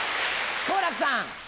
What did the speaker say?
好楽さん。